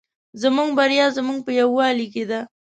زموږ بریا زموږ په یوالي کې ده